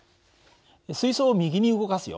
水そうを右に動かすよ。